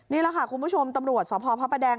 นี่แหละค่ะคุณผู้ชมตำรวจสพพระประแดง